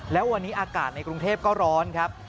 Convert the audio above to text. แล้ววันนี้อากาศในกรุงเทพก็ร้อนครับ